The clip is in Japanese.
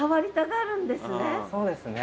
そうですね。